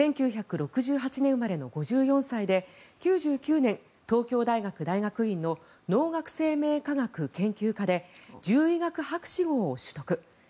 １９６８年生まれの５４歳で９９年、東京大学大学院の農学生命科学研究科で獣医学博士号を取得。